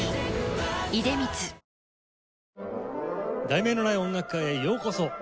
『題名のない音楽会』へようこそ。